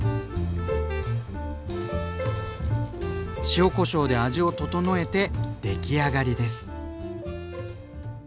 塩こしょうで味を調えて出来上がりです。